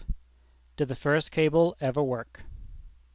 DID THE FIRST CABLE EVER WORK?